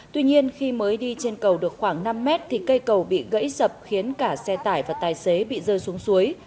tuy nhiên khi mới đi trên cầu được khoảng năm mét thì cây cầu bị gãy sập khiến cả xe tải và tài xế bị rơi xuống suối